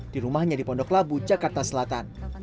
di rumahnya di pondok labu jakarta selatan